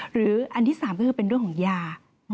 อันที่๓ก็คือเป็นเรื่องของยา